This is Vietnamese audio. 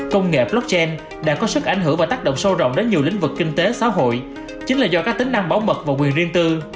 công nghệ blockchain đã có sức ảnh hưởng và tác động sâu rộng đến nhiều lĩnh vực kinh tế xã hội chính là do các tính năng bảo mật và quyền riêng tư